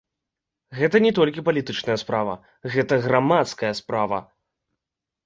Гэта не толькі палітычная справа, гэта грамадская справа.